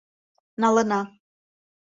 Налына.